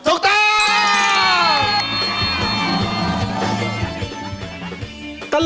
ถูกต้อง